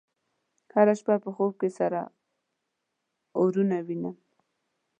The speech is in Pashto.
هره شپه په خوب کې سره اورونه وینم